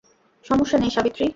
সমস্যা নেই, সাবিত্রী।